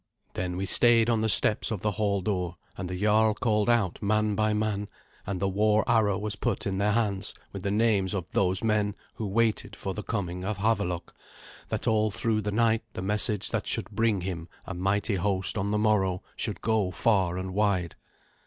Then we stayed on the steps of the hall door, and the jarl called out man by man, and the war arrow was put in their hands with the names of those men who waited for the coming of Havelok, that all through the night the message that should bring him a mighty host on the morrow should go far and wide.